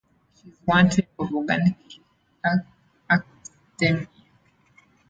It is one type of organic acidemia.